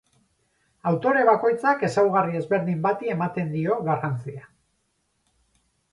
Autore bakoitzak ezaugarri ezberdin bati ematen dio garrantzia.